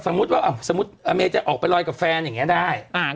สมมติแกจะออกไปรอยกระแฟนอย่างนี้ได้